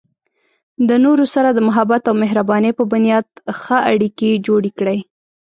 د نورو سره د محبت او مهربانۍ په بنیاد ښه اړیکې جوړې کړئ.